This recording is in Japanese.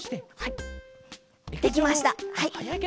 できましたはい。